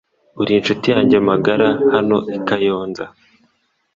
Uri inshuti yanjye magara hano i Kayonza .